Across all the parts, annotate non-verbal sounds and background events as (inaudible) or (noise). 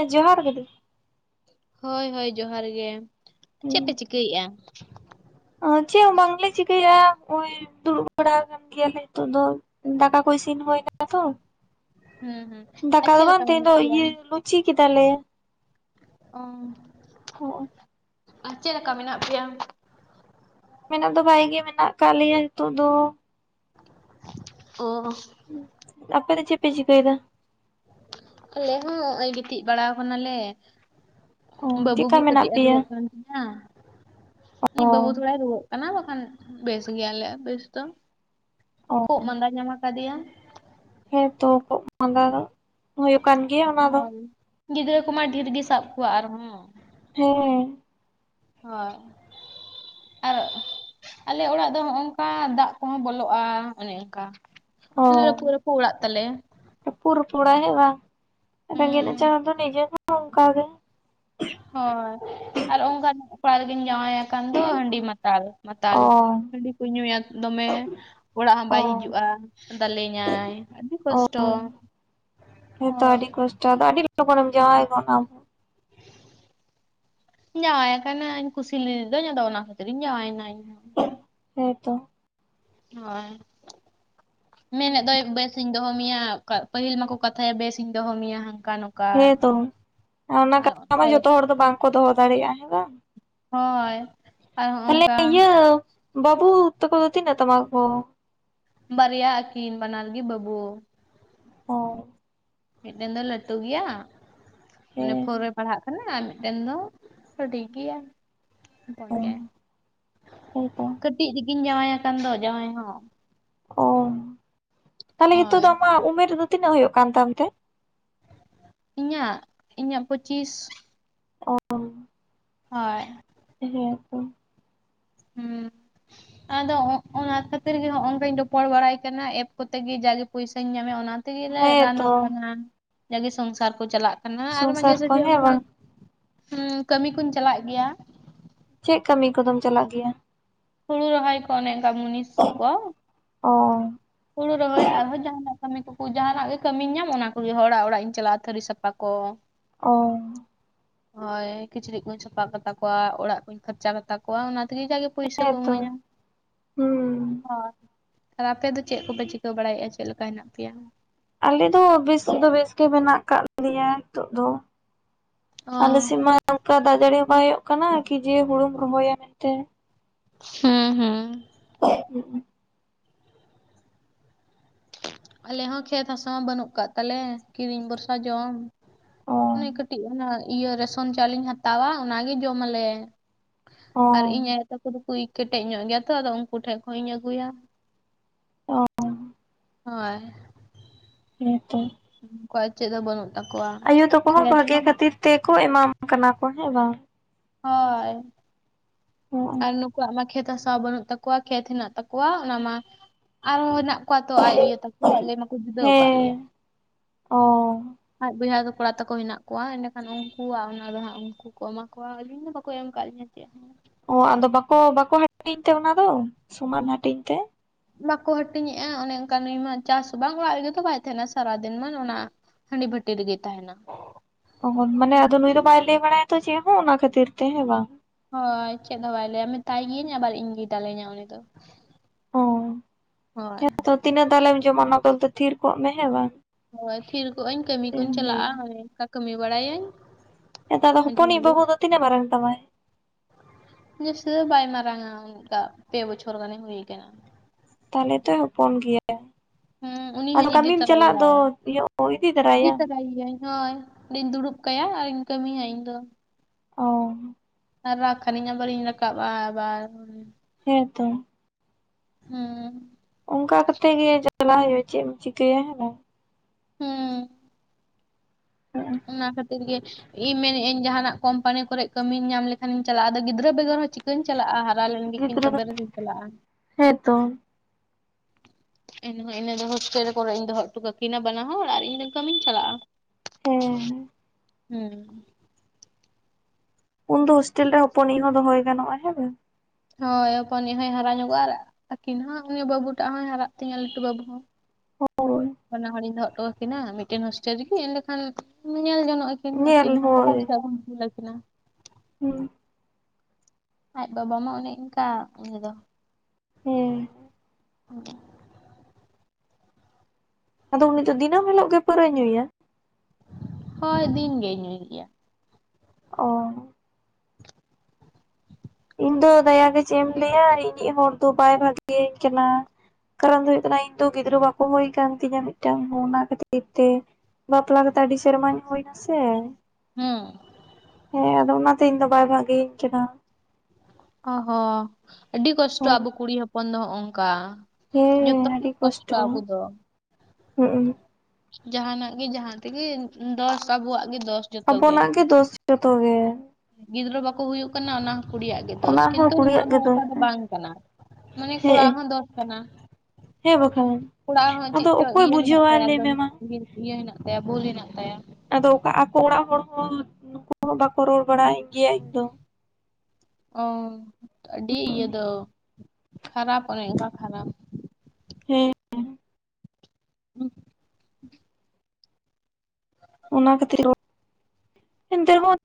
ᱮᱸ ᱡᱚᱦᱟᱨ ᱜᱮᱫᱤ᱾ ᱦᱳᱭ ᱦᱳᱭ ᱡᱚᱦᱟᱨ ᱜᱮ ᱪᱮᱜ ᱯᱮ ᱪᱤᱠᱟᱹᱭᱮᱫᱼᱟ? ᱚ ᱪᱮᱜ ᱦᱚᱸ ᱵᱟᱝᱞᱮ ᱪᱤᱠᱟᱹᱭᱮᱜᱼᱟ ᱯᱚᱭ ᱫᱩᱲᱩᱵ ᱵᱟᱲᱟ ᱟᱠᱟᱱ ᱜᱮᱭᱟᱞᱮ ᱱᱤᱛᱚᱜ ᱫᱚ ᱫᱟᱠᱟ ᱠᱚ ᱤᱥᱤᱱ ᱦᱳᱭᱱᱟ ᱛᱚ᱾ ᱦᱩᱸ ᱦᱩᱸ ᱟᱨ ᱪᱮᱜ ᱞᱮᱠᱟ ᱢᱮᱱᱟᱜ ᱯᱮᱭᱟ? ᱪᱤ ᱠᱮᱫᱟᱞᱮ᱾ ᱚ ᱦᱚᱸᱜ ᱚ᱾ ᱟᱨ ᱪᱮᱜ ᱞᱮᱠᱟ ᱢᱮᱱᱟᱜ ᱯᱮᱭᱟ? ᱢᱮᱱᱟᱜ ᱫᱚ ᱵᱷᱟᱜᱮ ᱜᱮ ᱢᱮᱱᱟᱜ ᱠᱟᱜ ᱞᱮᱭᱟ ᱦᱤᱛᱚᱜ ᱫᱚ᱾ ᱚ ᱟᱯᱮ ᱫᱚ ᱪᱮᱜ ᱯᱮ ᱪᱤᱠᱟᱹᱭᱫᱟ? ᱟᱞᱮ ᱦᱚᱸ ᱦᱚᱜᱼᱚᱭ ᱜᱤᱛᱤᱡ ᱵᱟᱲᱟᱣ ᱠᱟᱱᱟᱞᱮ᱾ ᱚ ᱵᱟᱹᱵᱩ ᱪᱮᱫᱠᱟ ᱜᱮ ᱢᱮᱱᱟᱜ ᱠᱟᱹᱴᱤᱡᱼᱮ ᱯᱮᱭᱟ ᱨᱩᱣᱟᱹᱜ ᱠᱟᱱ ᱛᱤᱧᱟ᱾ ᱚ ᱤᱧᱤᱡ ᱵᱟᱹᱵᱩ ᱛᱷᱚᱲᱟᱭ ᱨᱩᱣᱟᱹᱜ ᱠᱟᱱᱟ ᱵᱟᱠᱷᱟᱱ ᱵᱮᱥ ᱜᱮᱭᱟᱞᱮ ᱵᱮᱥ ᱫᱚ᱾ ᱚ ᱠᱷᱳᱜ ᱢᱟᱸᱫᱟ ᱧᱟᱢ ᱠᱟᱫᱮᱭᱟ᱾ ᱦᱮ ᱛᱚ ᱠᱷᱳᱜ ᱢᱟᱸᱫᱟ ᱫᱚ ᱦᱳᱭᱳᱜ ᱠᱟᱱ ᱜᱮᱭᱟ᱾ ᱚᱱᱟ ᱫᱚ ᱦᱳᱭ ᱜᱤᱫᱽᱨᱟᱹ ᱠᱚᱢᱟ ᱰᱷᱮᱨ ᱜᱮ ᱥᱟᱵ ᱠᱚᱣᱟ ᱟᱨᱦᱚᱸ᱾ ᱦᱮᱸ ᱦᱳᱭ ᱟ ᱟᱞᱮ ᱚᱲᱟᱜ ᱫᱚ ᱦᱚᱜᱼᱚᱝᱠᱟ ᱫᱟᱜ ᱠᱚᱦᱚᱸ ᱵᱚᱞᱚᱜᱼᱟ ᱚᱱᱮ ᱚᱝᱠᱟ᱾ ᱨᱟᱹᱯᱩᱜ ᱨᱟᱹᱯᱩᱜ ᱚᱲᱟᱜ ᱛᱟᱞᱮ᱾ ᱨᱟᱹᱯᱩᱜ ᱨᱟᱹᱯᱩᱜ ᱚᱲᱟᱜ ᱦᱮᱸ ᱵᱟᱝ ᱨᱮᱸᱜᱮᱡᱽ ᱦᱩᱸ ᱱᱟᱪᱟᱨ ᱦᱚᱲ ᱫᱚ ᱱᱤᱡᱮ ᱦᱚᱸ ᱚᱝᱠᱟ ᱜᱮ᱾ ᱦᱳᱭ ᱟᱨ ᱚᱝᱠᱟᱱ ᱚᱲᱟᱜ ᱨᱮᱜᱤᱧ ᱡᱟᱶᱟᱭ ᱟᱠᱟᱱ ᱫᱚ ᱦᱟᱺᱰᱤ ᱢᱟᱛᱟᱞ ᱢᱟᱛᱟᱞ ᱚ ᱦᱟᱺᱰᱤ ᱠᱚ ᱧᱩᱭᱟ ᱫᱚᱢᱮ᱾ ᱚᱲᱟᱜ ᱦᱚᱸ ᱚ ᱵᱟᱭ ᱦᱤᱡᱩᱜᱼᱟ ᱫᱟᱹᱞᱮᱧᱟᱭ ᱟᱹᱰᱤ ᱠᱚᱥᱴᱚ᱾ ᱚ ᱦᱮᱸᱛᱚ ᱦᱳᱭ ᱟᱹᱰᱤ ᱠᱚᱥᱴᱚ ᱟᱫᱚ ᱟᱹᱰᱤ ᱞᱚᱜᱚᱱᱮᱢ ᱡᱟᱶᱟᱭ ᱜᱚᱫᱱᱟ ᱟᱢ? ᱡᱟᱶᱟᱭ ᱠᱟᱱᱟᱧ ᱠᱩᱥᱤ ᱞᱮᱫᱮᱫᱩᱹᱧ ᱟᱫᱚ ᱚᱱᱟ ᱠᱷᱟᱹᱛᱤᱨ ᱤᱧ ᱡᱟᱶᱟᱭᱮᱱᱟ ᱤᱧᱦᱚᱸ᱾ ᱦᱮᱸᱛᱚ᱾ ᱦᱳᱭ ᱢᱮᱱᱮᱫ ᱫᱚᱭ ᱵᱮᱥᱤᱧ ᱫᱚᱦᱚ ᱢᱮᱭᱟ ᱯᱟᱹᱦᱤᱞ ᱢᱟᱠᱚ ᱠᱟᱛᱷᱟᱭᱟ ᱵᱮᱥᱤᱧ ᱫᱚᱦᱚ ᱢᱮᱭᱟ ᱱᱚᱝᱠᱟ ᱦᱟᱹᱱᱠᱟ᱾ ᱦᱮᱸ ᱛᱚ ᱚᱱᱟ ᱠᱟᱛᱷᱟ ᱢᱟ ᱯᱚᱨᱮ ᱡᱚᱛᱚ ᱦᱚᱲ ᱫᱚ ᱵᱟᱝ ᱠᱚ ᱫᱚᱦᱚ ᱫᱟᱲᱮᱭᱟᱜᱼᱟ ᱦᱮᱸ ᱵᱟᱝ᱾ ᱦᱳᱭ ᱟᱨ ᱦᱚᱸᱜ ᱛᱟᱦᱞᱮ ᱠᱟ ᱤᱭᱟᱹ ᱵᱟᱹᱵᱩ ᱛᱟᱠᱚ ᱫᱚ ᱛᱤᱱᱟᱹᱜ ᱛᱟᱢᱟ ᱠᱚ᱾ ᱵᱟᱨᱭᱟ ᱟᱹᱠᱤᱱ ᱵᱟᱱᱟᱨ ᱜᱮ ᱵᱟᱹᱵᱩ᱾ ᱚ ᱢᱤᱫᱴᱮᱱ ᱫᱚ ᱞᱟᱹᱴᱩ ᱜᱮᱭᱟ ᱢᱟᱹᱱᱮ ᱦᱮᱸ ᱯᱷᱳᱨ ᱨᱮ ᱯᱟᱲᱦᱟᱜ ᱠᱟᱱᱟ᱾ ᱢᱮᱫᱴᱮᱱ ᱫᱚ ᱦᱤᱰᱤᱧ ᱜᱮᱭᱟ ᱦᱚᱯᱚᱱ ᱜᱮᱭᱟᱭᱼᱼ ᱦᱮᱸᱛᱚ ᱠᱟᱹᱴᱤᱡ ᱡᱩᱫᱤ ᱡᱟᱶᱟᱭ ᱟᱠᱟᱱ ᱫᱚ ᱡᱟᱶᱟᱭ ᱦᱚᱸ᱾ ᱚ ᱛᱟᱦᱞᱮ ᱱᱤᱛᱚᱜ ᱦᱳᱭ ᱫᱚ ᱟᱢᱟᱜ ᱩᱢᱮᱨ ᱫᱚ ᱛᱤᱱᱟᱹᱜ ᱦᱳᱭᱳᱜ ᱠᱟᱱ ᱛᱟᱢ ᱛᱮ? ᱤᱧᱟᱹᱜ ᱤᱧᱟᱹᱜ ᱯᱚᱸᱪᱤᱥ᱾ ᱚᱸᱻ ᱦᱳᱭ ᱦᱮᱸ ᱛᱚ ᱦᱩᱸ ᱟᱫᱚ ᱚᱱᱟ ᱠᱷᱟᱹᱛᱤᱨ ᱜᱮ ᱦᱚᱸᱚᱝᱠᱟᱹᱧ ᱨᱚᱯᱚᱲ ᱵᱟᱲᱟᱭ ᱠᱟᱱᱟ ᱮᱯ ᱠᱚᱛᱮ ᱜᱮ ᱡᱟᱜᱮ ᱯᱚᱭᱥᱟᱧ ᱧᱟᱢᱮᱫ ᱚᱱᱟ᱾ ᱛᱮᱜᱮ ᱞᱮ ᱦᱮᱸᱛᱚ ᱨᱟᱱᱚᱜ ᱠᱟᱱᱟ ᱡᱟᱜᱮ ᱥᱚᱝᱥᱟᱨ ᱠᱚ ᱪᱟᱞᱟᱜ ᱠᱟᱱᱟ ᱟᱨ ᱢᱟᱹᱡᱷᱮ ᱥᱚᱝᱥᱟᱨ ᱠᱚ ᱥᱟᱹᱡᱷᱮ ᱦᱮᱸ ᱚᱱᱠᱟ᱾ ᱵᱟᱝ ᱦᱩᱸ ᱠᱟᱹᱢᱤ ᱠᱩᱧ ᱪᱟᱞᱟᱜ ᱜᱮᱭᱟ᱾ ᱪᱮᱫ ᱠᱟᱹᱢᱤ ᱠᱚᱫᱚᱢ ᱪᱟᱞᱟᱜ ᱜᱮᱭᱟ᱾ ᱦᱩᱲᱩ ᱨᱚᱦᱚᱭ ᱠᱚ ᱚᱸᱱᱮᱚᱸᱱᱠᱟ ᱢᱩᱱᱤᱥ ᱠᱚ᱾ ᱚ ᱦᱩᱲᱩ ᱨᱚᱦᱚᱭ ᱟᱨᱦᱚᱸ ᱡᱟᱦᱟᱱᱟᱜ ᱠᱟᱹᱢᱤ ᱠᱚᱠᱚ ᱡᱟᱦᱟᱱᱟᱜ ᱜᱮ ᱠᱟᱹᱢᱤ ᱧᱟᱢ ᱚᱱᱟ ᱠᱚᱜᱮ ᱦᱚᱲᱟᱜ ᱚᱲᱟᱜ ᱤᱧ ᱪᱟᱞᱟᱜᱼᱟ ᱛᱷᱟᱹᱨᱤ ᱥᱟᱯᱷᱟ ᱠᱚ᱾ ᱚ ᱦᱳᱭ ᱠᱤᱪᱨᱤᱡ ᱠᱩᱧ ᱥᱟᱯᱷᱟ ᱠᱟᱛᱟ ᱠᱚᱣᱟ ᱚᱲᱟᱜ ᱠᱩᱧ ᱯᱷᱟᱨᱪᱟ ᱠᱟᱛᱟ ᱠᱚᱣᱟ ᱚᱱᱟ ᱛᱮᱜᱮ ᱡᱟᱜᱮᱼᱼ ᱯᱩᱭᱥᱟᱹ ᱠᱚ ᱦᱮᱸᱛᱚ ᱤᱢᱟᱹᱧᱟ ᱦᱩᱸ ᱦᱳᱭ ᱟᱨ ᱟᱯᱮ ᱫᱚ ᱪᱮᱫ ᱠᱚᱯᱮ ᱪᱤᱠᱟᱹ ᱵᱟᱲᱟᱭᱮᱫᱼᱟ ᱪᱮᱫ ᱞᱮᱠᱟ ᱦᱮᱱᱟᱜ ᱯᱮᱭᱟ᱾ ᱟᱞᱮ ᱫᱚ ᱵᱮᱥ ᱫᱚ ᱵᱮᱥ ᱜᱮ ᱢᱮᱱᱟᱜ ᱟᱠᱟᱫ ᱞᱮᱭᱟ ᱱᱤᱛᱚᱜ ᱫᱚ᱾ ᱚ ᱟᱞᱮ ᱥᱮᱫ ᱢᱟ ᱚᱱᱠᱟ ᱫᱟᱜ ᱡᱟᱹᱲᱤ ᱵᱟᱭ ᱦᱩᱭᱩᱜ ᱠᱟᱱᱟ ᱠᱤᱡᱮ ᱦᱩᱲᱩᱢ ᱨᱚᱦᱚᱭᱟ ᱢᱮᱱᱛᱮ᱾ ᱦᱩᱸ ᱦᱩᱸ (unintelligible) ᱟᱞᱮ ᱦᱚᱸ ᱠᱷᱮᱛ ᱦᱟᱥᱟ ᱢᱟ ᱵᱟᱹᱱᱩᱜ ᱠᱟᱫ ᱛᱟᱞᱮ ᱠᱤᱨᱤᱧ ᱵᱷᱚᱨᱥᱟ ᱡᱚᱢ᱾ ᱚ ᱚᱸᱱᱮ ᱠᱟᱹᱴᱤᱡ ᱚᱱᱟ ᱤᱭᱟᱹ ᱨᱮᱥᱚᱱ ᱪᱟᱣᱞᱮᱧ ᱦᱟᱛᱟᱣᱟ ᱚᱱᱟᱜᱮ ᱡᱚᱢ ᱟᱞᱮ᱾ ᱚ ᱟᱨ ᱤᱧ ᱟᱭᱳ ᱛᱟᱠᱚ ᱫᱚᱠᱚ ᱠᱮᱴᱮᱡ ᱧᱚᱜ ᱜᱮᱭᱟᱛᱚ ᱟᱫᱚ ᱩᱱᱠᱩ ᱴᱷᱮᱡ ᱠᱷᱚᱱ ᱤᱧ ᱟᱹᱜᱩᱭᱟ᱾ ᱚᱻ᱾ ᱦᱚᱭ᱾ ᱦᱮᱸ ᱛᱚ᱾ ᱠᱚᱣᱟᱜ ᱪᱮᱫ ᱫᱚ ᱵᱟᱹᱱᱩᱜ ᱛᱟᱠᱚᱣᱟ ᱛᱟᱠᱚ ᱦᱚᱸ ᱠᱷᱮᱛ ᱵᱷᱟᱜᱮ ᱦᱚᱸᱼᱼ ᱠᱷᱟᱹᱛᱤᱨ ᱛᱮᱠᱚ ᱮᱢᱟᱢ ᱠᱟᱱᱟ ᱠᱚ ᱦᱮᱸ ᱵᱟᱝ᱾ ᱦᱚᱭ ᱟᱨ ᱱᱩᱼᱼ ᱠᱩᱣᱟᱜ ᱢᱟ ᱠᱷᱮᱛ ᱦᱟᱥᱟ ᱵᱟᱹᱱᱩᱜ ᱛᱟᱠᱚᱣᱟ ᱠᱷᱮᱛ ᱦᱮᱱᱟᱜ ᱛᱟᱠᱚᱣᱟ ᱚᱱᱟ ᱢᱟᱼᱼ ᱟᱨ ᱦᱚᱸ ᱦᱮᱱᱟᱜ ᱠᱚᱣᱟ ᱛᱚ ᱟᱡ ᱤᱭᱟᱹ ᱛᱟᱠᱚ ᱟᱞᱮ ᱢᱟᱠᱚ ᱡᱩᱫᱟᱹᱣ ᱠᱟᱜ ᱞᱮᱭᱟ᱾ ᱚᱻ᱾ ᱟᱡ ᱵᱚᱭᱦᱟ ᱫᱚ ᱠᱚᱲᱟ ᱛᱟᱠᱚ ᱦᱮᱱᱟᱜ ᱠᱚᱣᱟ ᱮᱸᱰᱮᱠᱷᱟᱱ ᱩᱱᱠᱩᱣᱟᱜ ᱚᱱᱟ ᱫᱚ ᱦᱟᱸᱜ ᱩᱱᱠᱩ ᱠᱚ ᱮᱢᱟ ᱠᱚᱣᱟ ᱟᱹᱞᱤᱧ ᱫᱚ ᱵᱟᱠᱚ ᱮᱢ ᱠᱟᱜ ᱞᱤᱧᱟᱹ᱾ (unintelligible) ᱚᱸ ᱟᱫᱚ ᱵᱟᱠᱚ ᱵᱟᱠᱚ ᱦᱟᱹᱴᱤᱧ ᱛᱮ ᱚᱱᱟ ᱫᱚ ᱥᱚᱢᱟᱱ ᱦᱟᱹᱴᱤᱧ ᱛᱮ? ᱵᱟᱠᱚ ᱦᱟᱹᱴᱤᱧᱮᱜ-ᱟ ᱚᱱᱮ ᱚᱱᱠᱟ ᱱᱩᱭ ᱢᱟ ᱪᱟᱥ ᱵᱟᱝ ᱚᱲᱟᱜ ᱨᱮᱜᱮ ᱛᱚ ᱵᱟᱭ ᱛᱟᱦᱮᱱᱟ ᱥᱟᱨᱟ ᱫᱤᱱ ᱢᱟ ᱚᱱᱟ ᱦᱟᱺᱰᱤ ᱵᱷᱟᱹᱴᱤ ᱨᱤᱜᱤᱭ ᱛᱟᱦᱮᱱᱟ᱾ ᱚ ᱦᱚᱸ ᱢᱟᱱᱮ ᱟᱫᱚ ᱱᱩᱭ ᱫᱚ ᱵᱟᱭ ᱞᱟᱹᱭ ᱵᱟᱲᱟᱭᱟ ᱛᱚ ᱪᱮᱜ ᱦᱚᱸ ᱚᱱᱟ ᱠᱷᱟᱹᱛᱤᱨ ᱛᱮ ᱦᱮᱸ ᱵᱟᱝ? ᱦᱚᱭ ᱪᱮᱫ ᱦᱚ ᱵᱟᱭ ᱞᱟᱹᱭᱟ ᱢᱮᱛᱟᱭ ᱜᱤᱭᱟᱹᱧ ᱟᱵᱟᱨ ᱤᱧ ᱜᱮᱭ ᱫᱟᱞᱤᱧᱟ ᱩᱱᱤ ᱫᱚ᱾ ᱚ ᱦᱚᱭ᱾ ᱦᱮᱸᱛᱚ ᱛᱤᱱᱟᱹᱜ ᱫᱟᱞᱮᱢ ᱡᱚᱢᱟ ᱚᱱᱟ ᱠᱚᱞᱮ ᱛᱮ ᱛᱷᱤᱨ ᱠᱚᱜ ᱢᱮ ᱦᱮᱸ ᱵᱟᱝ? ᱦᱚᱭ ᱛᱷᱤᱨ ᱠᱚᱜ ᱟᱹᱧ ᱠᱟᱹᱢᱤ ᱪᱮᱫ ᱠᱩᱧ ᱮᱢ ᱪᱟᱞᱟᱜ-ᱟ ᱞᱟᱹᱭᱟ ᱚᱱᱠᱟ ᱚᱱᱠᱟ ᱠᱟᱹᱢᱤ ᱵᱟᱲᱟᱭᱟᱹᱧ᱾ ᱦᱮᱸ ᱛᱚ ᱢᱟᱡᱷᱮ ᱦᱚᱯᱚᱱᱤᱡ‌ ᱢᱟᱡᱷᱮ ᱵᱟᱹᱵᱩ ᱫᱚ ᱛᱤᱱᱟᱹᱜ ᱢᱟᱨᱟᱝ ᱛᱟᱢᱟᱭ? ᱡᱟᱹᱥᱛᱤ ᱫᱚ ᱵᱟᱭ ᱢᱟᱨᱟᱨᱟᱝ ᱚᱱᱠᱟ ᱯᱮ ᱵᱚᱪᱷᱚᱨ ᱜᱟᱱ ᱮ ᱦᱩᱭ ᱟᱠᱟᱱᱟ᱾ ᱛᱟᱦᱞᱮ ᱛᱚᱭ ᱦᱚᱯᱚᱱ ᱜᱮᱭᱟ᱾ ᱦᱩᱸ ᱩᱱᱤ ᱟᱫᱚ ᱦᱚᱧ ᱤᱫᱤ ᱠᱟᱢᱤᱢ ᱪᱟᱞᱟᱜ ᱛᱟᱨᱟᱭᱮᱭᱟ ᱫᱚ ᱤᱭᱟᱹ ᱤᱫᱤ ᱫᱟᱨᱟᱭ-ᱭᱟᱢ? ᱦᱚᱭ ᱚᱸᱰᱤᱧ ᱫᱩᱲᱩᱵ ᱠᱟᱭᱟ ᱟᱨᱤᱧ ᱠᱟᱹᱢᱤᱭᱟ ᱤᱧ ᱫᱚ᱾ ᱚ᱾ ᱟᱨ ᱨᱟᱜᱽ ᱠᱷᱟᱹᱤᱧ ᱟᱵᱟᱨᱤᱧ ᱨᱟᱠᱟᱵ-ᱟ ᱟᱵᱟᱨ᱾ ᱦᱮᱸ ᱛᱚ᱾ ᱦᱩᱸ᱾ ᱚᱱᱠᱟ ᱠᱟᱛᱮᱜ ᱜᱮ ᱡᱟᱞᱟ ᱦᱩᱭᱩᱜ-ᱟ ᱪᱮᱫ ᱮᱢ ᱪᱤᱠᱟᱹᱭᱟ ᱦᱮ ᱵᱟᱝ? ᱦᱩᱸᱻ᱾ ᱚᱱᱟ ᱠᱷᱟᱹᱛᱤᱨ ᱜᱮ ᱤ ᱢᱮᱱᱮᱜ ᱟᱹᱧ ᱡᱟᱦᱟᱱᱟᱜ ᱠᱟᱢᱯᱟᱱᱤ ᱠᱚᱨᱮᱜ ᱠᱟᱹᱢᱤᱧ ᱧᱟᱢ ᱞᱮᱠᱷᱟᱱ ᱤᱧ ᱪᱟᱞᱟᱜ-ᱟ ᱟᱫᱚ ᱜᱤᱫᱽᱨᱟᱹ ᱵᱮᱜᱚᱨ ᱦᱚᱸ ᱪᱤᱠ ᱟᱹᱧ ᱪᱟᱞᱟᱜ-ᱟ ᱦᱟᱨᱟ ᱞᱮᱱ ᱜᱮᱠᱤᱱ ᱛᱚᱵᱮ ᱨᱮᱫᱚᱧ ᱪᱟᱞᱟᱜ-ᱟ᱾ ᱦᱮᱸ ᱛᱚ᱾ ᱮᱱ ᱦᱚᱸ ᱤᱱᱟᱹ ᱫᱚ ᱦᱳᱥᱴᱮᱞ ᱠᱚᱨᱮᱫᱤᱧ ᱫᱚᱦᱚ ᱚᱴᱚ ᱠᱟᱹᱠᱤᱱᱟ ᱵᱟᱱᱟ ᱦᱚᱲ‌ ᱟᱨ ᱤᱧ ᱫᱚ ᱠᱟᱹᱢᱤᱧ ᱪᱟᱞᱟᱜ-ᱟ᱾ ᱦᱮᱸ᱾ ᱦᱩᱸ᱾ ᱩᱱ ᱫᱚ ᱦᱳᱥᱴᱮᱞ ᱨᱮ ᱦᱚᱯᱚᱱᱤᱡ ᱦᱚᱸ ᱫᱚᱦᱚᱭ ᱜᱟᱱᱚᱜ-ᱟ ᱦᱮᱸ ᱵᱟᱝ? ᱦᱚᱭ ᱦᱚᱯᱚᱱᱤᱡ‌ ᱦᱚᱸᱭ ᱦᱟᱨᱟ ᱧᱚᱜᱚᱜ-ᱟ ᱟᱨ ᱟᱹᱠᱤᱱ ᱦᱚᱸ ᱩᱱᱤ ᱵᱟᱹᱵᱩ ᱴᱟᱜ ᱦᱚᱸᱭ ᱦᱟᱨᱟᱜ ᱛᱤᱧᱟᱹ ᱞᱟᱹᱴᱩ ᱵᱟᱹᱵᱩ ᱦᱚᱸ᱾ ᱦᱳᱭ ᱵᱟᱱᱟ ᱦᱚᱲᱤᱧ ᱫᱚᱦᱚᱜ ᱴᱚ ᱣᱟᱹᱠᱤᱱᱟ ᱢᱤᱫᱴᱮᱱ ᱦᱳᱥᱴᱮᱞ ᱨᱤᱜᱤ ᱮᱸᱰᱮᱠᱷᱟᱱ ᱧᱮᱞ ᱡᱚᱱᱚᱜ-ᱟ ᱠᱤ ᱧᱮᱞ ᱠᱤᱱ ᱟᱹᱠᱤᱱ ᱦᱚᱸ (unintelligible) ᱠᱩᱧ ᱠᱩᱞ‌ ᱟᱹᱠᱤᱱᱟ᱾ ᱦᱩ᱾ ᱟᱡ ᱵᱟᱵᱟ ᱢᱟ ᱚᱱᱮ ᱮᱱᱠᱟ ᱩᱱᱤ ᱫᱚ᱾ ᱦᱮᱸ᱾ (unintelligible) ᱟᱫᱚ ᱩᱱᱤ ᱫᱚ ᱫᱤᱱᱟᱹᱢ ᱦᱤᱞᱳᱜ ᱜᱮ ᱯᱟᱹᱨᱟᱹᱭ ᱧᱩᱭᱟ? ᱦᱚᱭ ᱫᱤᱱ ᱜᱮᱭ ᱧᱩᱭ ᱜᱮᱭᱟ᱾ ᱚᱻ᱾ ᱤᱧ ᱫᱚ ᱫᱟᱭᱟ ᱜᱮ ᱪᱮᱜ ᱮᱢ ᱞᱟᱹᱭᱟ ᱤᱧᱤᱡ ᱦᱚᱲ ᱫᱚ ᱵᱟᱭ ᱵᱷᱟᱜᱮᱭᱟᱹᱧ ᱠᱟᱱᱟ᱾ ᱠᱟᱨᱚᱱ ᱫᱚ ᱦᱩᱭᱩᱜ ᱠᱟᱱᱟ ᱤᱧ ᱫᱚ ᱜᱤᱫᱽᱨᱟᱹ ᱵᱟᱠᱚ ᱦᱳᱭᱳ ᱠᱟᱱ ᱛᱤᱧᱟᱹ ᱢᱤᱫᱴᱟᱝ ᱦᱚᱸ ᱚᱱᱟ ᱠᱷᱟᱹᱛᱤᱨ ᱛᱮ᱾ ᱵᱟᱯᱞᱟ ᱠᱟᱛᱮ ᱟᱹᱰᱤ ᱥᱮᱨᱢᱟᱹᱧ ᱦᱩᱭᱱᱟ ᱥᱮ᱾ ᱦᱩᱸ ᱦᱮᱸ ᱟᱫᱚ ᱚᱱᱟᱛᱮ ᱤᱧ ᱫᱚ ᱵᱟᱭ ᱵᱷᱟᱜᱮᱭᱟᱹᱧ ᱠᱟᱱᱟ᱾ ᱚ-ᱦᱚ ᱟᱹᱰᱤ ᱠᱚᱥᱴᱚ ᱦᱮᱸ ᱟᱵᱚ ᱠᱩᱲᱤ ᱦᱚᱯᱚᱱ ᱫᱚ ᱦᱚᱜᱚᱝᱠᱟ᱾ ᱡᱚᱛᱚ ᱦᱮᱸ ᱜᱮ ᱠᱚᱥᱴᱚ ᱟᱵᱩᱫᱚ᱾ ᱦᱩᱜ-ᱩᱸ᱾ ᱡᱟᱦᱟᱸᱱᱟᱜ ᱜᱮ ᱡᱟᱦᱟᱸ ᱛᱮᱜᱮ ᱫᱚᱥ ᱟᱵᱚᱣᱟᱜ ᱜᱮ ᱫᱚᱥ᱾ ᱟᱵᱚᱱᱟᱜ ᱜᱮ ᱫᱚᱳᱥ ᱡᱚᱛᱚ ᱜᱮ᱾ ᱜᱤᱫᱽᱨᱟᱹ ᱵᱟᱠᱚ ᱦᱩᱭᱩᱜ ᱠᱟᱱᱟ ᱚᱱᱟ ᱠᱩᱲᱤᱭᱟᱜ ᱜᱮ ᱫᱚᱥ ᱚᱱᱟ ᱦᱚᱸ ᱠᱤᱱᱛᱩ ᱱᱚᱣᱟ ᱠᱩᱲᱤᱭᱟᱜ ᱫᱚ ᱜᱮ ᱚᱱᱠᱟ ᱫᱳᱥ ᱫᱚ ᱵᱟᱝ ᱠᱟᱱᱟ ᱢᱟᱱᱮ ᱠᱚᱲᱟ ᱟᱜ ᱦᱮᱸ ᱦᱚᱸ ᱫᱚᱥ ᱠᱟᱱᱟ᱾ ᱦᱮᱸ ᱵᱟᱠᱷᱟᱱ ᱠᱚᱲᱟ ᱟᱜ ᱦᱚᱸ ᱪᱮᱫ ᱟᱫᱚ ᱪᱚ ᱚᱠᱚᱭ ᱤᱭᱟᱹ ᱦᱮᱱᱟᱜ ᱵᱩᱡᱷᱟᱹᱣᱟᱭ ᱛᱟᱭᱟ ᱞᱟᱹᱭ ᱜᱟᱹᱞ ᱢᱮ ᱢᱟ (unintelligible) ᱤᱭᱟᱹ ᱦᱮᱱᱟᱜ ᱛᱟᱭᱟ ᱵᱷᱩᱞ ᱦᱮᱱᱟᱜ ᱛᱟᱭᱟ᱾ ᱟᱫᱚ ᱚᱠᱟ ᱟᱠᱚ ᱚᱲᱟᱜ ᱦᱚᱲ ᱦᱚᱸ ᱱᱩᱠᱩ ᱦᱚᱸ ᱵᱟᱠᱚ ᱨᱚᱲ ᱵᱟᱲᱟᱭᱮᱫ ᱜᱮᱭᱟ ᱮᱠᱫᱚᱢ᱾ ᱚ ᱟᱹᱰᱤ ᱤᱭᱟᱹ ᱫᱚ᱾ ᱠᱷᱟᱨᱟᱯ ᱚᱱᱮ ᱚᱱᱠᱟ ᱠᱷᱟᱨᱟᱯ᱾ ᱦᱮᱸ᱾ (inaudible) ᱚᱱᱟ ᱠᱷᱟᱹᱛᱤᱨ (unintelligible) ᱮᱱᱛᱮ ᱨᱮᱦᱚᱸ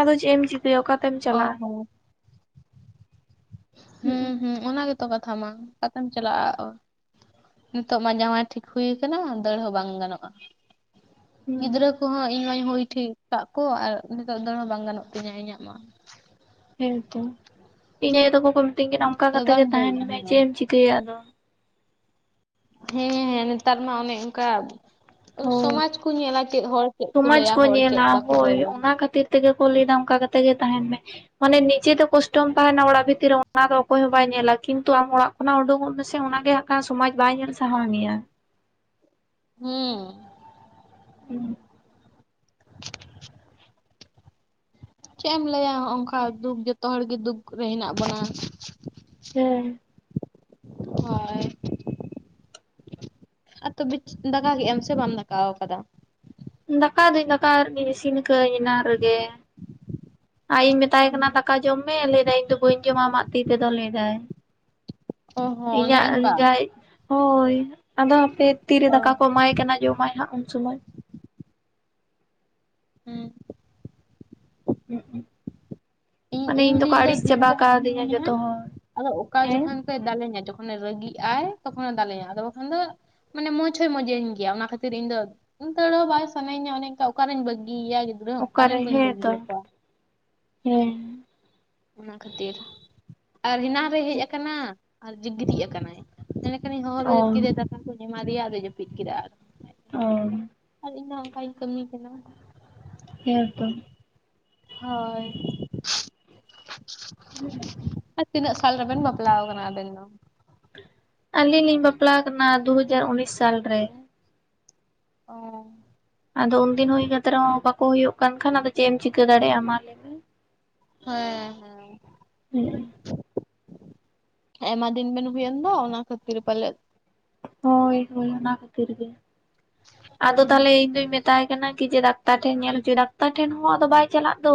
ᱟᱫᱚ ᱪᱮᱫ ᱮᱢ ᱪᱤᱠᱟᱹᱭᱟ ᱚᱠᱟ ᱛᱮᱢ ᱚ ᱪᱟᱞᱟᱜᱼᱟ? ᱦᱚᱸ ᱦᱩᱸ ᱦᱩᱸ ᱚᱱᱟ ᱜᱮᱛᱚ ᱠᱟᱛᱷᱟ ᱢᱟ ᱚᱠᱟᱛᱮᱢ ᱪᱟᱞᱟᱜᱼᱟ? ᱱᱤᱛᱚᱜ ᱢᱟ ᱡᱟᱶᱟᱭ ᱴᱷᱤᱠ ᱦᱩᱭ ᱟᱠᱟᱱᱟ ᱫᱟᱹᱲ ᱦᱚᱸ ᱵᱟᱝ ᱜᱟᱱᱚᱜᱼᱟ ᱦᱩᱸ ᱜᱤᱫᱽᱨᱟᱹ ᱠᱚ ᱦᱚᱸ ᱤᱧ ᱤᱧ (unintelligible) ᱦᱩᱭ ᱴᱷᱤᱠ ᱠᱟᱜ ᱠᱚᱣᱟ ᱟᱨ ᱱᱤᱛᱚᱜ ᱫᱚᱟᱹᱲ ᱦᱚᱸ ᱵᱟᱝ ᱜᱟᱱᱚᱜ ᱛᱤᱧᱟᱹ ᱤᱧᱟᱹᱜ ᱢᱟ᱾ ᱦᱮᱸᱛᱚ ᱤᱧ ᱟᱭᱳ ᱛᱟᱠᱚ ᱠᱚ ᱢᱤᱛᱟᱹᱧ ᱠᱟᱱᱟ ᱚᱱᱠᱟ ᱟᱫᱚ ᱠᱟᱛᱮᱜ ᱵᱟᱢ ᱜᱮ ᱛᱟᱦᱮᱱ ᱫᱟᱹᱲᱮᱜᱼᱟ ᱟᱢ ᱢᱮ ᱫᱚ ᱪᱮᱫ ᱮᱢ ᱪᱤᱠᱟᱹᱭᱟ ᱟᱫᱚ᱾ ᱦᱮᱸᱻ ᱱᱮᱛᱟᱨ ᱢᱟ ᱚᱱᱮ ᱚᱱᱠᱟ ᱥᱚᱢᱟᱡᱽ ᱠᱚ ᱧᱮᱞᱟ ᱪᱮᱫ ᱦᱚᱲ ᱠᱚ ᱢᱚᱸᱡᱽ ᱞᱟᱹᱭᱟ ᱠᱚ ᱦᱚᱲ ᱪᱮᱫ ᱧᱮᱞᱟ ᱵᱟᱠᱚ ᱦᱳᱭ ᱞᱟᱹᱭᱟ ᱚᱱᱟ ᱠᱷᱟᱹᱛᱤᱨ ᱛᱮᱜᱮ ᱠᱚ ᱞᱟᱹᱭᱫᱟ ᱚᱱᱠᱟ ᱠᱟᱛᱮ ᱜᱮ ᱛᱟᱦᱮᱱ ᱢᱮ᱾ ᱢᱟᱱᱮ ᱱᱤᱡᱮᱛᱮ ᱠᱚᱥᱴᱚᱢ ᱛᱟᱦᱮᱱᱟ ᱚᱲᱟᱜ ᱵᱷᱤᱛᱤᱨ ᱨᱮ ᱚᱱᱟ ᱫᱚ ᱚᱠᱚᱭ ᱦᱚᱸ ᱵᱟᱭ ᱧᱮᱞᱟ ᱠᱤᱱᱛᱩ ᱟᱢ ᱚᱲᱟᱜ ᱚᱱᱟ ᱩᱰᱩᱠᱚᱜ ᱢᱮᱥᱮ ᱚᱱᱟᱜᱮ ᱦᱟᱜ ᱥᱚᱢᱟᱡᱽ ᱵᱟᱭ ᱧᱮᱞ ᱥᱟᱦᱟᱣ ᱢᱮᱭᱟ᱾ ᱦᱩᱸ᱾ (inaudible) ᱪᱮᱫ ᱮᱢ ᱞᱟᱹᱭᱟ ᱦᱚᱱᱚᱝᱠᱟ ᱫᱩᱠ ᱡᱚᱛᱚ ᱦᱚᱲᱜᱮ ᱫᱩᱠ ᱨᱮ ᱦᱮᱱᱟᱜ ᱵᱚᱱᱟ᱾ ᱦᱮᱸ᱾ (unintelligible) ᱦᱮᱸ᱾ ᱟ (unintelligible) ᱛᱚᱵᱮ ᱫᱟᱠᱟ ᱠᱮᱫᱟᱢ ᱥᱮ ᱵᱟᱢ ᱫᱟᱠᱟᱣ ᱠᱟᱫᱟ? ᱫᱟᱠᱟ ᱫᱩᱧ ᱫᱟᱠᱟ ᱟᱨᱜᱤ ᱤᱥᱤᱱ ᱟᱠᱟᱜᱟᱹᱧ ᱮᱱᱟᱱ ᱨᱮᱜᱮ ᱟᱡᱤᱧ ᱢᱮᱛᱟᱭ ᱠᱟᱱᱟ ᱫᱟᱠ ᱫᱟᱠᱟ ᱡᱚᱢ ᱢᱮ ᱞᱟᱹᱭ ᱮᱫᱟᱭ ᱤᱧ ᱫᱚ ᱵᱟᱹᱧ ᱡᱚᱢᱟ ᱟᱢᱟᱜ ᱛᱤ ᱛᱮᱫᱚ ᱞᱟᱹᱭ ᱮᱫᱟᱭ᱾ ᱚ ᱦᱚᱸ ᱚᱱᱮ ᱤᱧᱟᱹᱜ ᱚᱝᱠᱟ ᱡᱟᱭ ᱦᱳᱭ ᱟᱫᱚ ᱦᱟᱯᱮ ᱛᱤᱨᱮ ᱚ ᱫᱟᱠᱟ ᱠᱚ ᱮᱢᱟᱭ ᱠᱟᱱᱟᱭ ᱡᱚᱢᱟᱭ ᱦᱟᱸᱜ ᱩᱱ ᱥᱚᱢᱚᱭ᱾ ᱦᱩᱸ᱾ (unintelligible) ᱟᱫᱚ ᱤᱧ ᱫᱚᱠᱚ ᱨᱤᱱ ᱫᱚ ᱟᱹᱲᱤᱥ ᱫᱤᱱᱜᱮ ᱪᱟᱵᱟ ᱦᱟᱺᱰᱤᱭ ᱠᱟᱣᱫᱤᱧᱟ ᱡᱚᱛᱚ ᱦᱚᱲ ᱦᱮᱸ? ᱥᱮ ᱫᱟᱞᱮᱧᱟᱭ ᱡᱚᱠᱷᱚᱱᱮ ᱨᱟᱹᱜᱤ ᱟᱭ ᱛᱚᱠᱷᱚᱱ ᱮ ᱫᱟᱞᱮᱧᱟ ᱟᱫᱚ ᱵᱟᱠᱷᱟᱱ ᱫᱚ ᱢᱟᱱᱮ ᱢᱚᱸᱪᱷ ᱦᱚᱭ ᱢᱚᱸᱡᱽ ᱜᱮᱭᱟ ᱚᱱᱟ ᱠᱷᱟᱹᱛᱤᱨ ᱤᱧ ᱫᱚ ᱚᱱᱠᱟ ᱫᱚ ᱵᱟᱭ ᱥᱟᱱᱟᱧᱟ ᱚᱱᱮ ᱚᱱᱠᱟ ᱚᱠᱟᱨᱤᱧ ᱵᱟᱹᱜᱤᱭᱟ ᱜᱤᱫᱽᱨᱟᱹ ᱦᱚᱸ ᱚᱠᱟᱨᱮᱢ ᱚᱠᱟᱨᱮ ᱵᱟᱹᱜᱤ ᱦᱮᱸ ᱛᱚ ᱵᱟᱹᱜᱤᱭᱟᱠᱚᱣᱟ? (unintelligible) ᱦᱮᱸ᱾ ᱚᱱᱟ ᱠᱷᱟᱹᱛᱤᱨ ᱟᱨ ᱦᱮᱱᱟᱱ ᱨᱮᱭ ᱦᱮᱡ ᱟᱠᱟᱱᱟ ᱟᱨ (unintelligible) ᱜᱤᱛᱤᱡ ᱟᱠᱟᱱᱟᱭ᱾ ᱮᱸᱰᱮ ᱠᱷᱟᱱᱤᱧ ᱦᱚᱦᱚ ᱚ ᱵᱮᱨᱮᱫ ᱠᱮᱫᱟ ᱫᱟᱠᱟ ᱠᱚᱧ ᱮᱢᱟᱫᱮᱭᱟ ᱟᱫᱚᱭ ᱡᱟᱹᱯᱤᱫ ᱠᱮᱫᱟ ᱟᱨ ᱚᱻ᱾ ᱟᱨ ᱤᱧ ᱫᱚ ᱦᱚᱜᱱᱠᱟᱧ ᱠᱟᱹᱢᱤ ᱠᱟᱱᱟ᱾ ᱦᱮ ᱛᱚ᱾ ᱦᱳᱭ (unintelligible) ᱛᱤᱱᱟᱹᱜ ᱥᱟᱞ ᱨᱮᱵᱮᱱ ᱵᱟᱯᱞᱟ ᱟᱠᱟᱱᱟ ᱟᱵᱮᱱ ᱫᱚ? ᱟᱹᱞᱤᱧ ᱞᱤᱧ ᱵᱟᱯᱞᱟᱣ ᱟᱠᱟᱱᱟ ᱫᱩ-ᱦᱟᱡᱟᱨ ᱩᱱᱤᱥ ᱥᱟᱞ ᱨᱮ᱾ ᱚ᱾ ᱟᱫᱚ ᱩᱱᱫᱤᱱ ᱦᱳᱭ ᱠᱟᱛᱮ ᱨᱮ ᱦᱚᱸ ᱵᱟᱠᱚ ᱦᱩᱭᱩᱜ ᱠᱟᱱ ᱠᱷᱟᱱ ᱟᱫᱚ ᱪᱮᱫ ᱮᱢ ᱪᱤᱠᱟᱹ ᱫᱟᱲᱮᱭᱟᱜᱼᱟ ᱢᱟ ᱞᱟᱹᱭ ᱢᱮ᱾ ᱦᱮᱸ, ᱦᱮᱸ᱾ ᱦᱮᱸ ᱟᱭᱢᱟ ᱫᱤᱱ ᱵᱮᱱ ᱦᱩᱭᱮᱱ ᱫᱚ ᱚᱱᱟ ᱠᱷᱟᱹᱛᱤᱨ ᱯᱟᱞᱮᱫ᱾ ᱦᱳᱭ, ᱦᱳᱭ ᱚᱱᱟ ᱠᱷᱟᱹᱛᱤᱨ ᱜᱮ ᱟᱫᱚ ᱛᱟᱞᱦᱮ ᱤᱧ ᱫᱚᱧ ᱢᱮ ᱢᱮᱛᱟᱭ ᱠᱟᱱᱟ ᱤᱧ ᱡᱮ ᱰᱟᱠᱛᱟᱨ ᱴᱷᱮᱱ ᱧᱮᱞ ᱦᱚᱪᱚᱭ ᱰᱟᱠᱛᱟᱨ ᱴᱷᱮᱱ ᱦᱚᱸ ᱟᱫᱚ ᱵᱟᱭ ᱪᱟᱞᱟᱜ ᱫᱚ᱾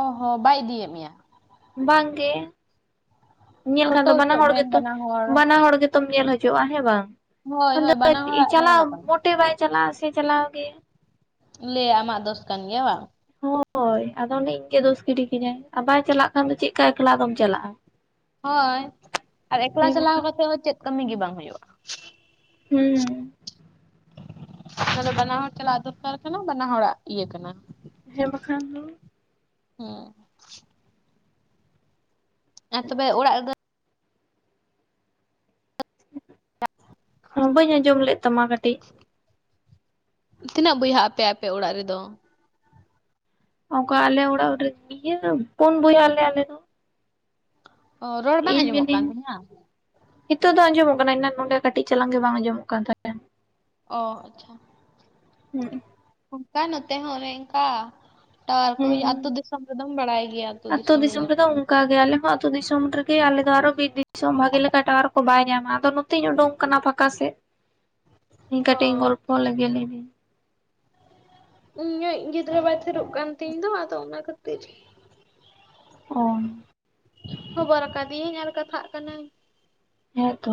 ᱚ ᱦᱚᱸ ᱵᱟᱭ ᱤᱫᱤᱭᱮᱜ ᱢᱮᱭᱟ᱾ ᱵᱟᱝ ᱜᱮ ᱧᱮᱞᱠᱷᱟᱱ ᱯᱷᱳᱴᱳ ᱫᱚ ᱵᱟᱱᱟ ᱦᱚᱪᱚᱜ ᱦᱚᱲ ᱵᱮᱱ ᱜᱮᱛᱚ ᱵᱟᱱᱟ ᱦᱚᱲ ᱵᱟᱱᱟ ᱦᱚᱲ ᱜᱮ ᱛᱚᱢ ᱧᱮᱞ ᱦᱚᱪᱚᱜ-ᱟ ᱦᱮᱸ ᱵᱟᱝ ᱦᱳᱭ ᱟᱫᱚ ᱦᱳᱭ ᱵᱟᱱᱟ ᱦᱚᱲᱟᱜ ᱱᱚᱣᱟ ᱪᱟᱞᱟᱣ ᱫᱚ ᱠᱟᱱᱟ ᱢᱚᱴᱮ ᱵᱟᱭ ᱪᱟᱞᱟᱜ-ᱟ ᱥᱮ ᱪᱟᱞᱟᱣ ᱜᱮ᱾ ᱞᱟᱹᱭ-ᱟ ᱟᱢᱟᱜ ᱫᱳᱥ ᱠᱟᱱ ᱜᱮᱭᱟ ᱦᱮᱸ ᱵᱟᱝ᱾ ᱦᱳᱭ ᱟᱫᱚ ᱚᱱᱮ ᱤᱧ ᱜᱮ ᱫᱳᱥ ᱜᱤᱰᱤ ᱠᱤᱧᱟᱭ ᱟᱨ ᱵᱟᱭ ᱪᱟᱞᱟᱜ ᱠᱷᱟᱱ ᱫᱚ ᱪᱮᱫ ᱞᱮᱠᱟ ᱮᱠᱞᱟ ᱟᱫᱚᱢ ᱪᱟᱞᱟᱜ-ᱟ᱾ ᱦᱳᱭ ᱟᱨ ᱮᱠᱞᱟ ᱦᱮᱸ ᱪᱟᱞᱟᱣ ᱵᱟᱠᱷᱟᱱ ᱠᱟᱛᱮᱫ ᱦᱚᱸ ᱪᱮᱫ ᱠᱟᱹᱢᱤ ᱜᱮ ᱵᱟᱝ ᱦᱳᱭᱳᱜ-ᱟ᱾ ᱦᱩᱸ᱾ ᱛᱟᱞᱦᱮ ᱵᱟᱱᱟ ᱦᱚᱲ ᱪᱟᱞᱟᱜ ᱫᱚᱨᱠᱟᱨ ᱠᱟᱱᱟ ᱵᱟᱱᱟ ᱦᱚᱲᱟᱜ ᱤᱭᱟᱹ ᱠᱟᱱᱟ᱾ ᱦᱮᱸ ᱵᱟᱠᱷᱟᱱ ᱫᱚ ᱦᱩᱸ᱾ ᱟᱨ ᱛᱚᱵᱮ ᱚᱲᱟᱜ ᱨᱮᱫᱚ ᱵᱟᱹᱧ ᱟᱸᱡᱚᱢ ᱞᱮᱫ ᱛᱟᱢᱟ ᱠᱟᱹᱴᱤᱡ᱾ ᱛᱤᱱᱟᱹᱜ ᱵᱚᱭᱦᱟᱜ ᱟᱯᱮ ᱟᱯᱮ ᱚᱲᱟᱜ ᱨᱮᱫᱚ? ᱚᱝᱠᱟ ᱟᱞᱮ ᱚᱲᱟᱜ ᱨᱮᱫᱚ ᱤᱭᱟᱹ ᱯᱩᱱ ᱵᱳᱭᱦᱟᱜ ᱟᱞᱮ ᱟᱞᱮ ᱫᱚ᱾ ᱚ ᱨᱚᱲ ᱵᱟᱝ ᱟᱸᱡᱚᱢᱚᱜ ᱠᱟᱱ ᱛᱤᱧᱟᱹ? ᱦᱤᱛᱚᱜ ᱫᱚ ᱟᱸᱡᱚᱢᱚᱜ ᱠᱟᱱᱟ᱾ ᱮᱱᱟᱱ ᱱᱚᱸᱰᱮ ᱠᱟᱹᱴᱤᱡ ᱪᱟᱞᱟᱝ ᱜᱮ ᱵᱟᱝ ᱟᱸᱡᱚᱢᱚᱜ ᱠᱟᱱ ᱛᱟᱦᱮᱸᱱ᱾ ᱚ ᱟᱪᱪᱷᱟ᱾ ᱦᱩᱸ᱾ ᱚᱱᱠᱟ ᱱᱚᱛᱮ ᱦᱚᱸ ᱚᱱᱮ ᱚᱝᱠᱟ᱾ ᱴᱟᱣᱟᱨ ᱠᱚ ᱦᱩᱭ ᱟᱹᱛᱩ ᱦᱩᱸ ᱫᱤᱥᱚᱢ ᱨᱮᱫᱚᱢ ᱵᱟᱲᱟᱭ ᱜᱮᱭᱟ ᱟᱹᱛᱩ ᱫᱤᱥᱚᱢ ᱨᱮᱱᱟᱜ᱾ ᱚᱱᱠᱟ ᱜᱮ ᱟᱞᱮᱦᱚᱸ ᱟᱹᱛᱩ ᱫᱤᱥᱚᱢ ᱨᱮᱜᱮ ᱟᱞᱮᱫᱚ ᱟᱨᱚ ᱫᱤᱥᱚᱢ ᱵᱷᱟᱜᱮ ᱞᱮᱠᱟ ᱴᱟᱣᱟᱨ ᱠᱚ ᱵᱟᱭ ᱧᱟᱢᱟ᱾ ᱟᱫᱚ ᱱᱚᱛᱮᱧ ᱳᱰᱤᱝ ᱠᱟᱱᱟ ᱯᱷᱟᱸᱠᱟ ᱥᱮᱫ ᱤᱧ ᱚ ᱠᱟᱹᱴᱤᱡ ᱤᱧ ᱜᱚᱞᱯᱚ ᱞᱮᱜᱮ ᱞᱟᱹᱭ ᱫᱤᱧ᱾ ᱤᱧ ᱤᱡ ᱜᱤᱫᱽᱨᱟᱹ ᱵᱟᱭ ᱛᱷᱤᱨᱚᱜ ᱠᱟᱱ ᱛᱤᱧ ᱫᱚ ᱟᱫᱚ ᱚᱱᱟ ᱠᱷᱟᱹᱛᱤᱨ ᱚ᱾ ᱦᱚᱵᱚᱨ ᱟᱠᱟᱫᱤᱭᱟᱹᱧ ᱟᱨ ᱠᱟᱛᱷᱟᱜ ᱠᱟᱱᱟᱹᱧ᱾ ᱦᱮᱸ ᱛᱚ᱾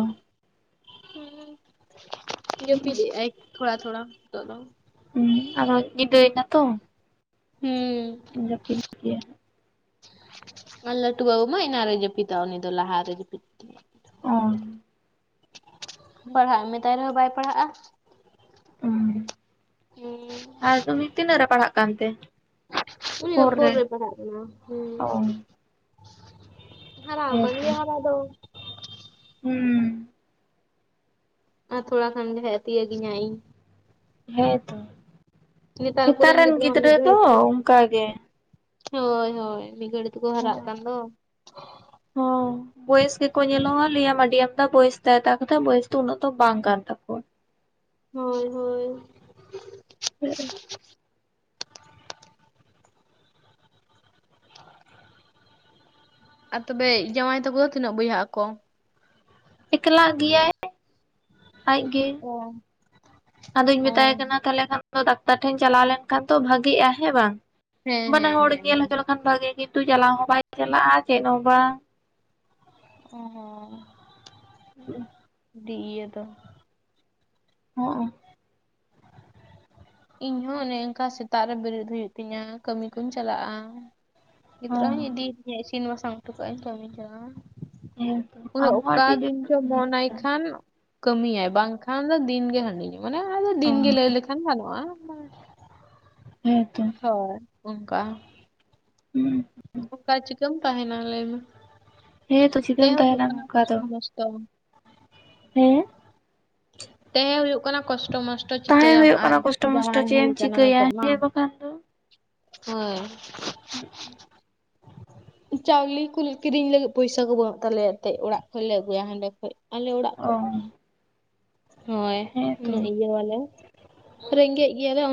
ᱦᱩᱸ ᱡᱟᱹᱯᱤᱫ ᱮᱜᱟᱭ ᱛᱷᱚᱲᱟ ᱛᱷᱚᱲᱟ ᱦᱤᱛᱚᱜ ᱫᱚ᱾ ᱦᱩᱸ ᱟᱫᱚ ᱧᱤᱫᱟᱹᱭ ᱱᱟ ᱛᱚ᱾ ᱦᱩᱸ᱾ ᱡᱟᱹᱯᱤᱫ ᱜᱮᱭᱟ ᱟᱨ ᱟᱞᱴᱩ ᱵᱟᱵᱩ ᱢᱟ ᱮᱱᱟᱝ ᱨᱮ ᱡᱟᱹᱯᱤᱫᱟ ᱩᱱᱤ ᱞᱟᱦᱟ ᱨᱮ ᱡᱟᱹᱯᱤᱛ ᱠᱮᱫ᱾ ᱚ᱾ ᱯᱟᱲᱦᱟᱜ ᱮᱢ ᱢᱮᱛᱟᱭ ᱨᱮᱦᱚᱸ ᱵᱟᱭ ᱯᱟᱲᱦᱟᱜ-ᱟ᱾ ᱦᱩᱸ ᱦᱩᱸ ᱟᱨ ᱩᱱᱤ ᱛᱤᱱᱟᱹᱜ ᱨᱮ ᱯᱟᱲᱦᱟᱜ ᱠᱟᱱᱛᱮ? ᱩᱱᱤ ᱫᱚ ᱯᱷᱳᱨ ᱨᱮ ᱯᱟᱲᱟᱜ ᱠᱟᱱᱟ‌ ᱦᱩᱸ᱾ ᱚ ᱦᱟᱨᱟᱣ ᱠᱟᱱ ᱦᱮᱸᱛᱚ ᱜᱮᱭᱟ ᱦᱟᱨᱟ ᱫᱚ᱾ ᱦᱩᱸ᱾ ᱟᱨ ᱛᱷᱚᱲᱟ ᱠᱷᱟᱱ ᱜᱮ ᱦᱟᱸᱜ ᱮ ᱛᱤᱭᱳᱜ ᱜᱤᱧᱟ ᱤᱧ᱾ ᱦᱮᱸᱛᱚ ᱱᱮᱛᱟᱨ ᱦᱮᱛᱟᱨ ᱠᱚᱨᱮᱱ ᱨᱮᱱ ᱢᱟ ᱢᱤᱫ ᱜᱤᱫᱽᱨᱟᱹ ᱜᱷᱟᱹᱲᱤ ᱫᱚ ᱛᱮᱠᱚ ᱚᱱᱠᱟᱜ ᱜᱮ᱾ ᱦᱳᱭ ᱦᱳᱭ ᱢᱤᱫ ᱜᱷᱟᱹᱲᱤᱡ ᱛᱮᱠᱚ ᱦᱟᱨᱟᱜ ᱠᱟᱱ ᱫᱚ ᱾ ᱦᱸ ᱾ ᱵᱚᱭᱮᱥ ᱜᱮᱠᱚ ᱧᱮᱞᱚᱜᱼᱟ ᱞᱟᱹᱭᱟᱢᱟ ᱟᱹᱰᱤᱟᱢ ᱮᱫᱟ ᱵᱚᱭᱮᱥ ᱛᱟᱭᱛᱟᱜ ᱠᱟᱛᱷᱟ ᱵᱚᱭᱮᱥ ᱫᱚ ᱩᱱᱟᱹᱜ ᱫᱚ ᱵᱟᱝ ᱠᱟᱱ ᱛᱟᱠᱚᱣᱟ ᱾ ᱦᱳᱭ ᱦᱳᱭ ᱾ ᱦᱮᱸ ᱾ ᱟᱨ ᱛᱚᱵᱮ ᱡᱟᱶᱟᱭ ᱛᱟᱠᱚ ᱫᱚ ᱛᱤᱱᱟᱹᱜ ᱵᱚᱭᱦᱟᱜ ᱟᱠᱚ? ᱮᱠᱞᱟ ᱜᱮᱭᱟᱭ ᱾ ᱟᱡᱜᱮ ᱚ ᱟᱫᱚᱧ ᱚ ᱢᱮᱛᱟᱭ ᱠᱟᱱᱟ ᱛᱟᱦᱞᱮ ᱠᱷᱟᱱ ᱾ ᱰᱟᱠᱛᱟᱨ ᱴᱷᱮᱱ ᱪᱟᱞᱟᱣ ᱞᱮᱱᱠᱷᱟᱱ ᱫᱚ ᱵᱷᱟᱜᱮᱜ-ᱟ ᱦᱮᱸ ᱵᱟᱝ ᱦᱮᱸ ᱵᱟᱱᱟᱮ ᱦᱮᱸ ᱦᱚᱲᱧ ᱦᱮᱸ ᱧᱮᱞ ᱦᱚᱪᱚ ᱾ ᱠᱷᱟᱱ ᱵᱷᱟᱜᱮ ᱠᱤᱱᱛᱩ ᱪᱟᱞᱟᱣ ᱦᱚᱸ ᱵᱟᱭ ᱪᱟᱞᱟᱜ-ᱟ ᱪᱮᱫ ᱦᱚᱸ ᱵᱟᱝ ᱾ ᱚᱸ ᱾ ᱦᱩᱸ ᱾ ᱰᱤ ᱤᱭᱟᱹ ᱫᱚ ᱾ ᱦᱚᱸᱜ ᱾ ᱤᱧ ᱦᱚᱸ ᱚᱱᱮ ᱚᱱᱠᱟ ᱥᱮᱛᱟᱜ ᱨᱮ ᱵᱤᱨᱤᱫ ᱦᱩᱭᱩᱜ ᱛᱤᱧᱟ ᱠᱟᱹᱢᱤ ᱠᱩᱧ ᱪᱟᱞᱟᱜ-ᱟ ᱾ ᱜᱤᱫᱽᱨᱟᱹᱧ ᱦᱚᱸ ᱦᱩᱧ ᱤᱫᱤᱭᱮ ᱛᱤᱧᱟᱹ ᱤᱥᱤᱱ ᱵᱟᱥᱟᱝ ᱩᱴᱩ ᱠᱟᱜ ᱤᱧ ᱠᱟᱹᱢᱤᱧ ᱪᱟᱞᱟᱜ-ᱟ ᱦᱮᱸᱛᱚ ᱾ ᱩᱱᱤᱮ ᱟᱢ ᱦᱚᱸ ᱚᱠᱟ ᱟᱹᱰᱤ ᱡᱳᱨ ᱫᱤᱱ ᱪᱚ ᱢᱚᱱ ᱟᱭ ᱚ ᱠᱷᱟᱱ ᱾ ᱠᱟᱹᱢᱤᱭᱟᱭ ᱵᱟᱝᱠᱷᱟᱱ ᱫᱚ ᱫᱤᱱᱜᱮ ᱦᱟᱹᱰᱤ ᱧᱩ ᱢᱟᱱᱮ ᱟᱫᱚ ᱫᱤᱱᱜᱮ ᱞᱟᱹᱭ ᱞᱮᱠᱷᱟᱱ ᱜᱟᱱᱚᱜ ᱾ ᱚᱟ ᱢᱟ ᱾ ᱦᱮᱸᱛᱚ ᱾ ᱦᱳ ᱚᱱᱠᱟ ᱾ ᱦᱩᱸ ᱾ ᱚᱱᱠᱟ ᱪᱤᱠᱟᱹᱢ ᱛᱟᱦᱮᱱᱟ ᱞᱟᱹᱭᱢᱮ ᱦᱮᱸᱛᱚ ᱪᱤᱠᱟᱹᱢ ᱛᱮᱦᱮ ᱦᱩᱭᱩᱜ ᱛᱟᱦᱮᱱᱟ ᱠᱟᱱᱟ ᱱᱚᱝᱠᱟ ᱫᱚ ᱠᱚᱥᱴᱚ ᱢᱚᱥᱴᱚ ᱾ ᱦᱮᱸ ᱾ ᱛᱮᱸᱦᱮ ᱦᱩᱭᱩᱜ ᱠᱟᱱᱟ ᱠᱚᱥᱴᱚ ᱢᱚᱥᱴᱚ ᱾ ᱛᱚ ᱛᱟᱦᱮᱸ ᱪᱤᱠᱟᱹᱭᱟᱢ ᱦᱩᱭᱩᱜ ᱟᱨ ᱠᱟᱱᱟ ᱠᱚᱥᱴᱚ ᱢᱚᱥᱴᱚ ᱡᱟᱶᱟᱭ ᱪᱮᱫ ᱦᱩᱭ ᱮᱢ ᱠᱟᱱᱟ ᱪᱤᱠᱟᱹᱭᱟ ᱱᱤᱛᱚᱜ ᱢᱟ ᱦᱮᱸ ᱵᱟᱠᱷᱟᱱ ᱫᱚ᱾ ᱦᱳᱭ ᱾ (unintelligible) ᱦ (unintelligible) ᱪᱟᱣᱞᱮ ᱠᱚ ᱞᱮ ᱠᱤᱨᱤᱧ ᱞᱟᱹᱜᱤᱫ ᱯᱚᱭᱥᱟ ᱠᱚ ᱵᱟᱹᱱᱩᱜ ᱛᱟᱞᱮᱭᱟ ᱮᱱᱛᱮᱜ ᱚᱲᱟᱜ ᱠᱷᱚᱱ ᱞᱮ ᱟᱜᱩᱭᱟ ᱦᱟᱸᱰᱮ ᱠᱷᱚᱡ ᱾ ᱟᱞᱮ ᱚᱲᱟᱜ ᱠᱷᱚᱡ ᱾ ᱚ ᱦᱳᱭ ᱦᱮᱸ ᱩᱱᱟᱹᱜ ᱛᱚ ᱤᱭᱟᱹᱣᱟᱞᱮ ᱨᱮᱸᱜᱮᱡ ᱜᱮᱭᱟᱞᱮ ᱾